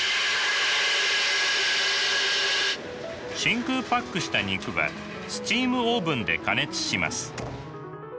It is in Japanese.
真空パックした肉はスチームオーブンで加熱します。